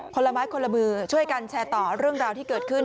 ละไม้คนละมือช่วยกันแชร์ต่อเรื่องราวที่เกิดขึ้น